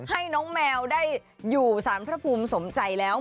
ให้น้องแมวได้อยู่สารพระภูมิสมใจแล้ว